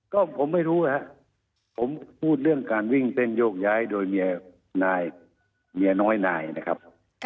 ก็ผมไม่รู้นะครับผมพูดเรื่องการวิ่งเต้นโยกย้ายโดยเมียนายเมียน้อยนายนะครับ